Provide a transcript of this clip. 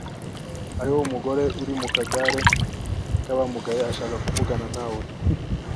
Hariho umugore uri mu kagare k'abamugaye ashaka kuvugana nawe.